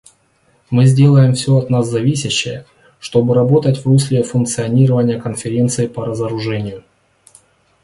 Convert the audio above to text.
Мы сделаем все от нас зависящее, чтобы работать в русле функционирования Конференции по разоружению.